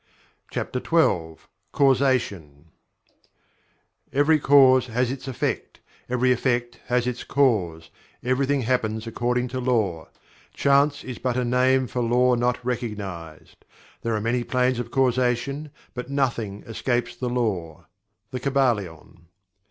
CHAPTER XII CAUSATION "Every Cause has its Effect; every Effect has its Cause; everything happens according to Law; Chance is but a name for Law not recognized; there are many planes of causation, but nothing escapes the Law." The Kybalion.